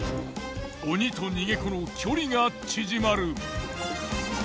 鬼と逃げ子の距離が縮まる。